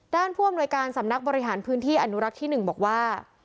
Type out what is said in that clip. ผู้อำนวยการสำนักบริหารพื้นที่อนุรักษ์ที่๑บอกว่า